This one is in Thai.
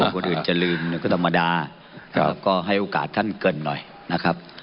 คนอื่นจะลืมก็ธรรมดาก็ให้โอกาสท่านเกินหน่อยนะครับ